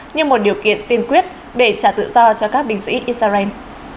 như một điều kiện tiên quyết để trả tự do cho các binh sĩ israel